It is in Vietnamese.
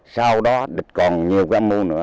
sau đó địch còn nhiều găm mu nữa